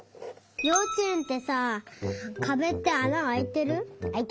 ようちえんってさかべってあなあいてる？